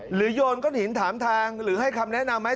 โยนก้อนหินถามทางหรือให้คำแนะนำไหม